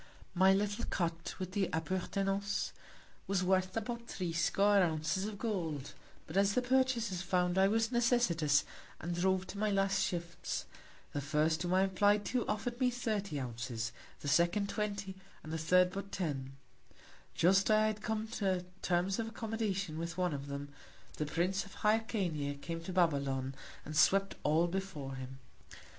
My little Cot, with the Appurtenances, were worth about threescore Ounces of Gold: But as the Purchasers found I was necessitous, and drove to my last Shifts; the first whom I apply'd to, offer'd me thirty Ounces; the second, twenty; and the third, but ten: Just as I had come to Terms of Accommodation with one of them, the Prince of Hyrcania came to Babylon, and swept all before him.